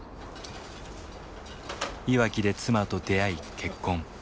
いわきで妻と出会い結婚。